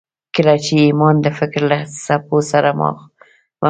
کله چې ایمان د فکر له څپو سره مخلوطېږي